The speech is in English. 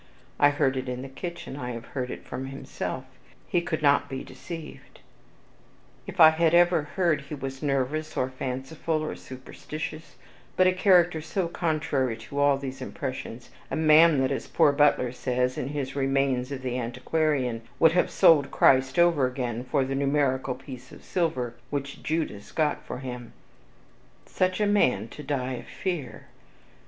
I heard it in the kitchen, I have heard it from himself, he could not be deceived. If I had ever heard he was nervous, or fanciful, or superstitious, but a character so contrary to all these impressions; a man that, as poor Butler says, in his 'Remains of the Antiquarian,' would have 'sold Christ over again for the numerical piece of silver which Judas got for him,' such a man to die of fear!